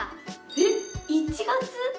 えっ１月？